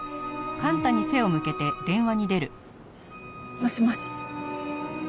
もしもし。